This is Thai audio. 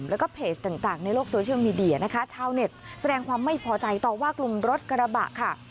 แล้วก็เพจต่างในโลกโซเชียลมีเดียนะคะชาวเน็ตแสดงความไม่พอใจต่อว่ากลุ่มรถกระบะค่ะ